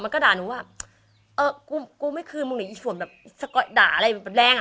มันก็ด่าหนูว่าเออกูกูไม่คืนมึงเนี้ยอีส่วนแบบด่าอะไรแบบแรงอ่ะ